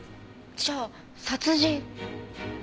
じゃあ殺人。